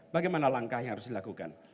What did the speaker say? bagaimana langkah yang harus dilakukan